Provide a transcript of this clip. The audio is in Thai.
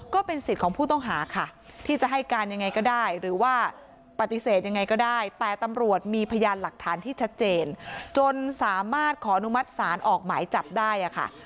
ก็เป็นสิทธิ์ของผู้ต้องหาค่ะที่จะให้การยังไงก็ได้หรือว่าปฏิเสธยังไงก็ได้แต่ตำรวจมีพยานหลักฐานที่ชัดเจนจนสามารถขออนุมัติศาลออกหมายจับได้ค่ะ